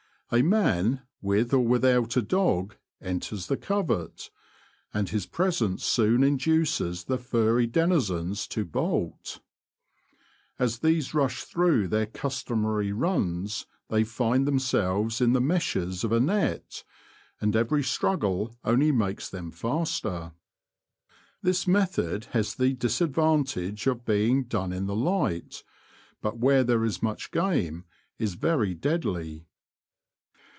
A man, with or without a dog, enters the covert, and his presence soon induces the furry denizens to bolt. As these rush through their customary runs they find themselves in the meshes of a net, and every struggle only makes them faster. This method 132 The Confessions of a Poacher. has the disadvantage of being done in the light, but where there is much game is very deadly.